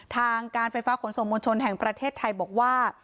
ทางการไฟฟ้าขนส่งมวลชนแห่งประเทศไทยบอกว่า